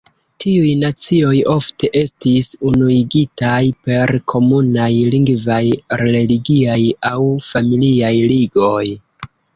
Tiuj nacioj ofte estis unuigitaj per komunaj lingvaj, religiaj aŭ familiaj ligoj.